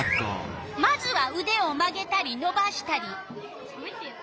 まずはうでを曲げたりのばしたり。